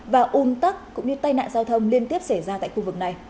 và un tắc cũng như tai nạn giao thông liên tiếp xảy ra tại khu vực này